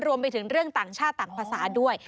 รวมไปถึงเรื่องต่างชาติต่างภาษาด้วย